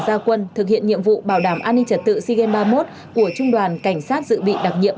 ra quân thực hiện nhiệm vụ bảo đảm an ninh trật tự sigen ba mươi một của trung đoàn cảnh sát dự bị đặc nhiệm